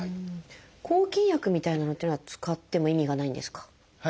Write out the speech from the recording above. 抗菌薬みたいなのっていうのは使っても意味がないんですか？